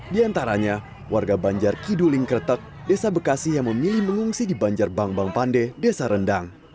di antaranya warga banjar kiduling kretek desa bekasi yang memilih mengungsi di banjar bang bang pande desa rendang